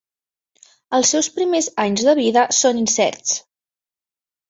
Els seus primers anys de vida són incerts.